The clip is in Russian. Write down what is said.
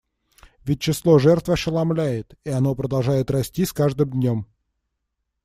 Ведь число жертв ошеломляет, и оно продолжает расти с каждым днем.